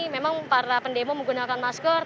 memang para pendemo menggunakan masker